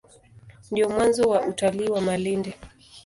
Ndio mwanzo wa utalii wa Malindi.